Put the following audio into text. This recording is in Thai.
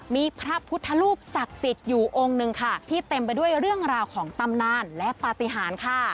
มีพระพุทธรูปศักดิ์สิทธิ์อยู่องค์หนึ่งค่ะที่เต็มไปด้วยเรื่องราวของตำนานและปฏิหารค่ะ